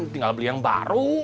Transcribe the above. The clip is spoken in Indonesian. tinggal beli yang baru